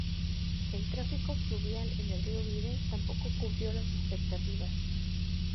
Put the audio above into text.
El tráfico fluvial en el río Vire tampoco cubrió las expectativas.